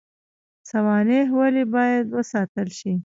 سوانح ولې باید وساتل شي؟